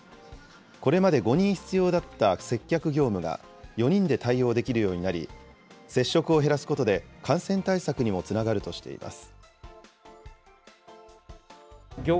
これまで５人必要だった接客業務が、４人で対応できるようになり、接触を減らすことで感染対策にもつながるとしています。